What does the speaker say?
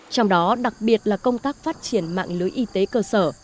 trong đó đặc biệt là công tác phát triển mạng lưới y tế cơ sở